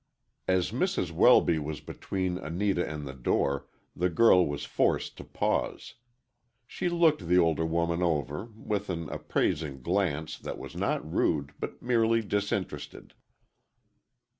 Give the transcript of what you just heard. As Mrs. Welby was between Anita and the door, the girl was forced to pause. She looked the older woman over, with an appraising glance that was not rude, but merely disinterested.